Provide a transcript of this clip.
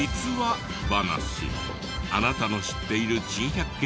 話あなたの知っている珍百景